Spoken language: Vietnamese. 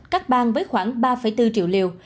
các bang với khoảng ba bốn triệu liều